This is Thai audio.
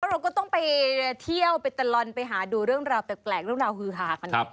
เราก็ต้องไปเที่ยวไปตลอดไปหาดูเรื่องราวแปลกเรื่องราวฮือฮากันหน่อย